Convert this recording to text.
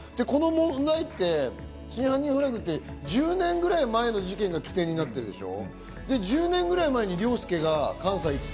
この問題って『真犯人フラグ』って１０年ぐらい前の事件が起点になってるでしょう？